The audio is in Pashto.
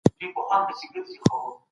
مستقیمې اړیکي ستونزي ژر حل کوي.